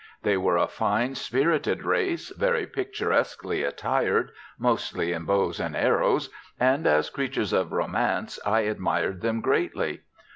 They were a fine, spirited race, very picturesquely attired, mostly in bows and arrows, and as creatures of romance I admired them greatly.